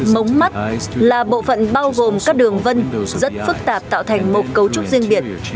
mống mắt là bộ phận bao gồm các đường vân rất phức tạp tạo thành một cấu trúc riêng biệt